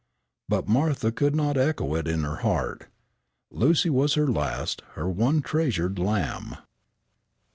But Martha could not echo it in her heart. Lucy was her last, her one treasured lamb.